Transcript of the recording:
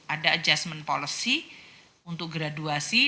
ada adjustment policy untuk graduasi